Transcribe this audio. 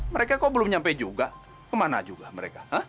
mereka kok belum nyampe juga kemana juga mereka